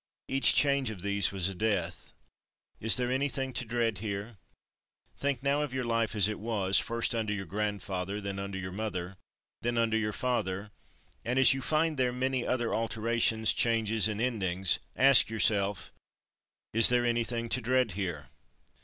Each change of these was a death. Is there anything to dread here? Think now of your life as it was, first under your grandfather, then under your mother, then under your father; and, as you find there many other alterations, changes, and endings, ask yourself: Is there anything to dread here?